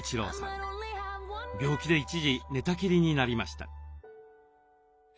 病気で一時寝たきりになりました。